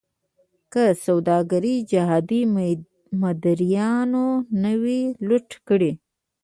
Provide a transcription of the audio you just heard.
که سوداګري جهادي مداریانو نه وی لوټ کړې.